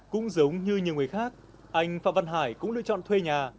cũng giống như nhiều người khác anh phạm văn hải cũng lựa chọn thuê nhà